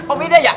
oh beda ya